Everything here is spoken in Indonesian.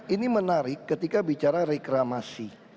ini menarik ketika bicara reklamasi